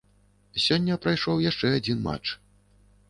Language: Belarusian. Сёння прайшоў яшчэ адзін матч.